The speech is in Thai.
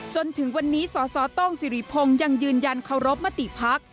จนถึงวันนี้สสโต้งสิริพงศ์ยังยืนยันเคารพมติพัก